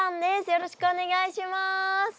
よろしくお願いします。